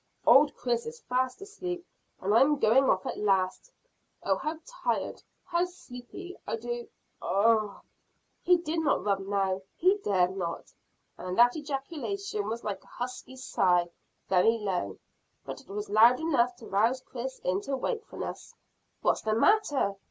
"Old Chris is fast asleep, and I'm going off at last. Oh, how tired, how sleepy I do Ugh!" He did not rub now, he dared not, and that ejaculation was like a husky sigh very low; but it was loud enough to rouse Chris into wakefulness. "What's the matter?"